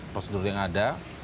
prosedur yang ada